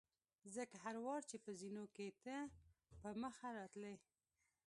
ځکه هر وار چې به په زینو کې ته په مخه راتلې.